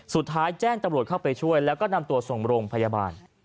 แจ้งตำรวจเข้าไปช่วยแล้วก็นำตัวส่งโรงพยาบาล